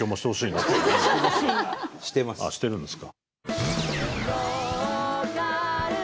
あっしてるんですか。